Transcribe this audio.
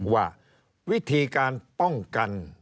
ว่าวิธีการป้องกัน